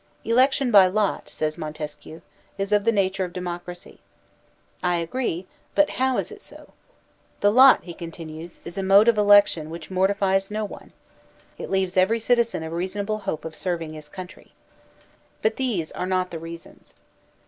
* Election by lot,* says Montesquieu, •is of the nature of democracy,* I agree, but how is it so? •The lot,* he continues, •is a mode of election which mortifies no one; it leaves every citizen a reasonable hope of serving his country. * But these .are not the reasons.